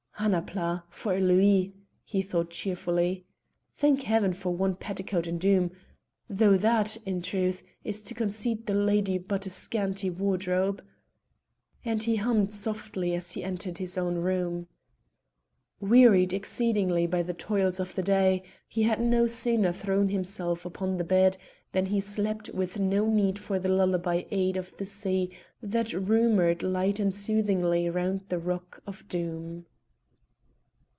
"Annapla, for a louis!" he thought cheerfully. "Thank heaven for one petticoat in Doom though that, in truth, is to concede the lady but a scanty wardrobe." And he hummed softly as he entered his own room. Wearied exceedingly by the toils of the day, he had no sooner thrown himself upon the bed than he slept with no need for the lullaby aid of the sea that rumoured light and soothingly round the rock of Doom.